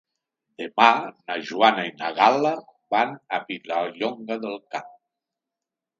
Demà na Joana i na Gal·la van a Vilallonga del Camp.